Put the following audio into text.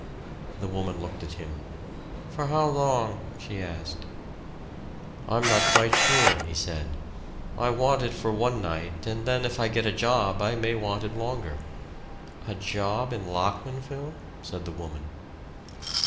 The woman looked at him. "For how long?" she asked. "I'm not quite sure," he said. "I want it for one night, and then if I get a job, I may want it longer." "A job in Lockmanville?" said the woman.